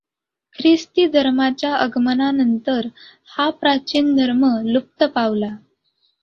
ख्रिस्ती धर्माच्या आगमना नंतर हा प्राचीन धर्म लुप्त पावला.